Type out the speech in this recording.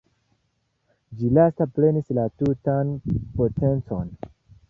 Ĉi lasta prenis la tutan potencon.